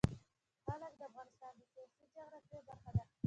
جلګه د افغانستان د سیاسي جغرافیه برخه ده.